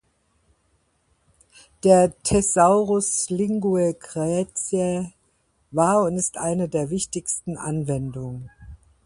Der Thesaurus Linguae Graecae war und ist eine der wichtigsten Anwendungen.